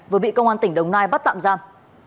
vừa bị công an tỉnh đồng nai bắt tạm giam